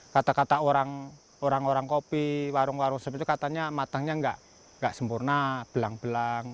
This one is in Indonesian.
kata kata orang orang kopi warung warung sebetulnya katanya matangnya enggak enggak sempurna belang belang